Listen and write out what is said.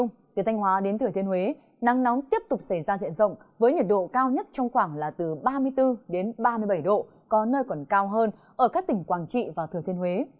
nhiệt độ cao nhất trong khoảng là từ ba mươi bốn đến ba mươi bảy độ có nơi còn cao hơn ở các tỉnh quảng trị và thừa thiên huế